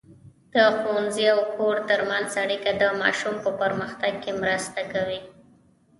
د ښوونځي او کور ترمنځ اړیکه د ماشوم په پرمختګ کې مرسته کوي.